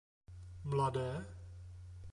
Mladé?